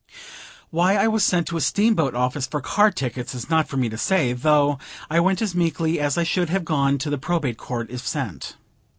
Why I was sent to a steamboat office for car tickets, is not for me to say, though I went as meekly as I should have gone to the Probate Court, if sent.